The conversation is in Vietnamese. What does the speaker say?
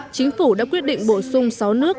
chính phủ đã quyết định bổ sung sáu nước